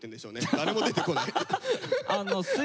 誰も出てこない。